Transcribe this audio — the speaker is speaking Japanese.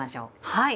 はい。